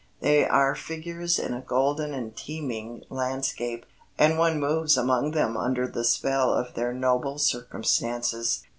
They are figures in a golden and teeming landscape, and one moves among them under the spell of their noble circumstances.